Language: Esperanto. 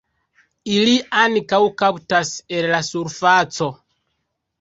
Ili ankaŭ kaptas el la surfaco.